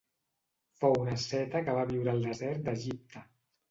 Fou un asceta que va viure al desert d'Egipte.